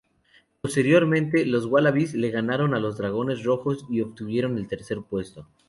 Posteriormente los Wallabies le ganaron a los Dragones rojos y obtuvieron el tercer puesto.